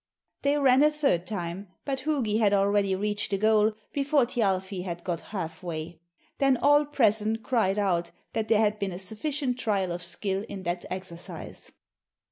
They ran a third time, but Hugi had already reached the goal before Thjalfi had got half way. Then all present cried out that there had been a sufficient trial of skill in that exercise.